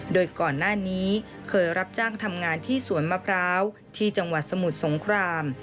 โดยก่อนหน้านี้เคยรับจ้างทำงานที่สวนมะพร้าวที่จังหวัดสมุทรสงคราม